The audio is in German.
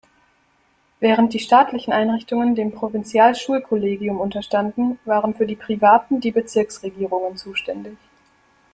Während die staatlichen Einrichtungen dem Provinzialschulkollegium unterstanden, waren für die privaten die Bezirksregierungen zuständig.